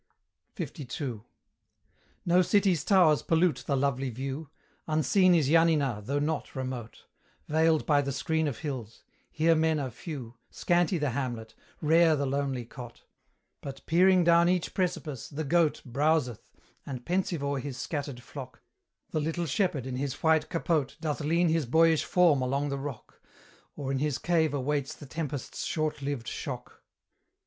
LII. No city's towers pollute the lovely view; Unseen is Yanina, though not remote, Veiled by the screen of hills: here men are few, Scanty the hamlet, rare the lonely cot; But, peering down each precipice, the goat Browseth: and, pensive o'er his scattered flock, The little shepherd in his white capote Doth lean his boyish form along the rock, Or in his cave awaits the tempest's short lived shock.